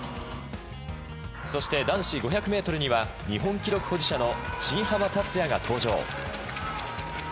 そして、男子５００ｍには日本記録保持者の新濱立也が登場。